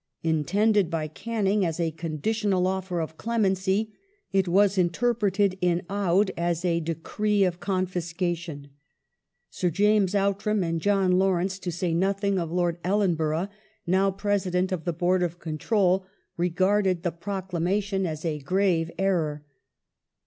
Intended by Canning as a conditional offer of clemency it was interpreted in Oudh as a decree of confiscation. Sir James Outram and John Lawrence, to say nothing of Lord Ellenborough, now President of the Board of Control, regarded the proclamation as a grave en'or.